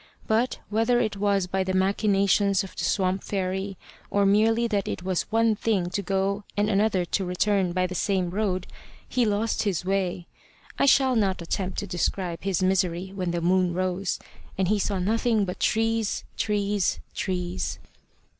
But, whether it was by the machinations of the swamp fairy, or merely that it is one thing to go and another to return by the same road, he lost his way. I shall not attempt to describe his misery when the moon rose, and he saw nothing but trees, trees, trees.